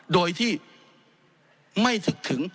โดยที่ไม่นึกถึง